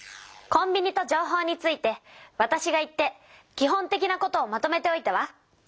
コンビニと情報についてわたしが行ってき本的なことをまとめておいたわ。